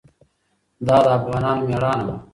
دا د افغانانو مېړانه وه.